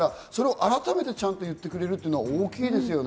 改めてちゃんと言ってくれたら、それは大きいですよね。